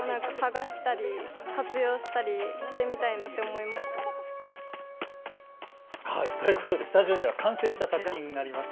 大成功！ということでスタジオには完成した作品があります。